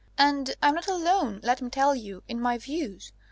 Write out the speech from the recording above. And I'm not alone, let me tell you, in my views.